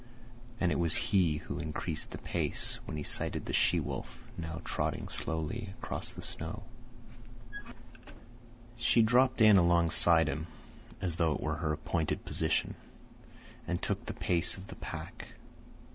And it was he who increased the pace when he sighted the she wolf, now trotting slowly across the snow. She dropped in alongside by him, as though it were her appointed position, and took the pace of the pack.